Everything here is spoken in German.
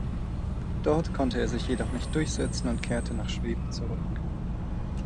Dort konnte er sich jedoch nicht durchsetzen und kehrte nach Schweden zurück.